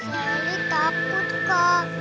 sally takut kak